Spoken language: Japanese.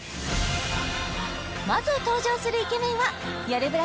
まず登場するイケメンは「よるブラ」